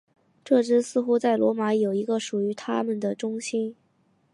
这支似乎在罗马有一个属于他们的中心。